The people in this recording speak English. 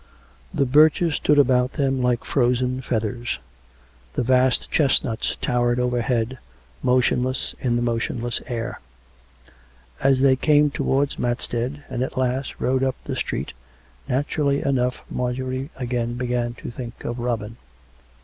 The birches stood about them like frozen feathers; the vast chestnuts towered overhead, motionless in the motionless air. As they came towards Mats bead, and, at last, rode up the street, naturally enough Marjorie again began to think of Robin.